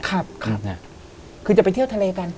คือจะไปเที่ยวทะเลกัน